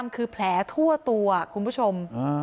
คือแผลทั่วตัวคุณผู้ชม